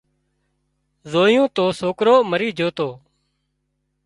زويون تو سوڪرو مرِي جھو تو